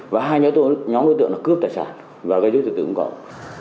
và hai nhóm đối tượng cướp tài sản và gây dối trật tự công cộng